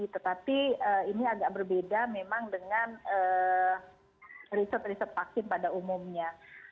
tetapi ini agak berbeda memang dengan riset riset vaksin pada umumnya